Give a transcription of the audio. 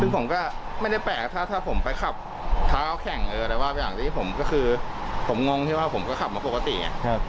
ซึ่งผมก็ไม่ได้แปลกถ้าผมไปขับเท้าแข่งอะไรบ้างอย่างที่ผมก็คือผมงงที่ว่าผมก็ขับมาปกติไง